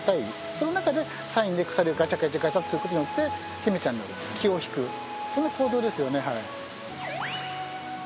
その中でサインで鎖をガチャガチャガチャってすることによって媛ちゃんの気をひくそんな行動ですよね。